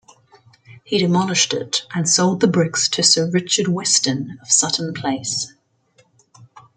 He demolished it and sold the bricks to Sir Richard Weston of Sutton Place.